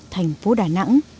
thành phố đà nẵng